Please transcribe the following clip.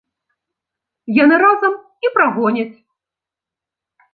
Яны разам і прагоняць.